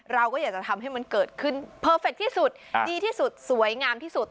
เราก็อยากจะทำให้มันเกิดขึ้นเพอร์เฟคที่สุดดีที่สุดสวยงามที่สุด